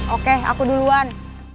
oke aku duluan